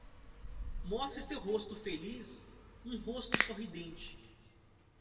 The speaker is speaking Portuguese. Mostre seu rosto feliz um rosto sorridente.